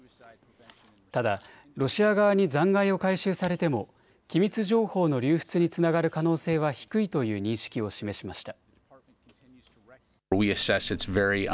ただロシア側に残骸を回収されても機密情報の流出につながる可能性は低いという認識を示しました。